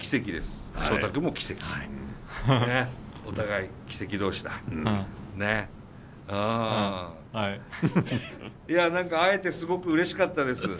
いや会えてすごくうれしかったです。